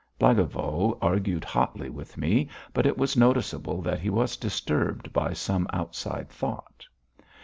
Blagovo argued hotly with me, but it was noticeable that he was disturbed by some outside thought.